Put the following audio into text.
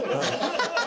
ハハハ